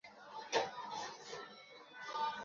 সে তার গাড়িতে বসে ছিল।